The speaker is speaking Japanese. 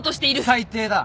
最低だ。